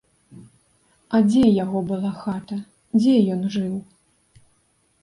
А дзе яго была хата, дзе ён жыў?